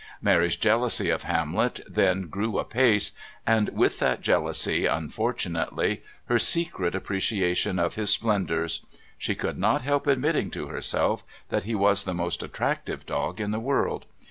Mary's jealousy of Hamlet then grew apace, and with that jealousy, unfortunately, her secret appreciation of his splendours. She could not help admitting to herself that he was the most attractive dog in the world.